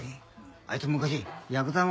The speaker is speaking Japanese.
あいつ昔ヤクザもん